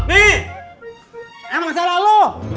nih emang salah lo